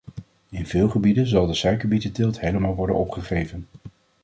In veel gebieden zal de suikerbietenteelt helemaal worden opgegeven.